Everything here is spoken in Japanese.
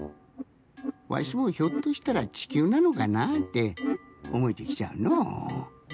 わしもひょっとしたらちきゅうなのかなっておもえてきちゃうのう。